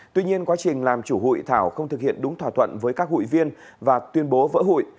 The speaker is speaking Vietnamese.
tuy nhiên quá trình làm chủ hụi thảo không thực hiện đúng thỏa thuận với các hụi viên và tuyên bố vỡ hụi